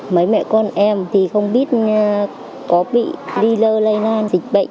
mấy mẹ con em thì không biết có bị ly lơ lây lan dịch bệnh